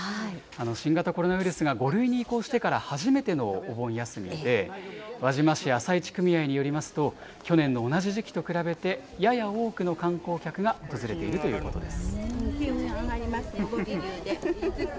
新型コロナウイルスが５類に移行してから初めてのお盆休みで、輪島市朝市組合によりますと、去年の同じ時期と比べてやや多くの観光客が訪れているということです。